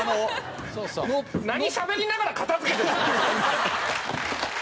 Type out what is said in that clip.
何しゃべりながら片付けてるんですか！